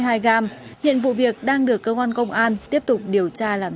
hiện vụ việc đang được công an tiếp tục điều tra làm rõ